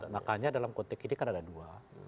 makanya dalam konteks ini kan ada dua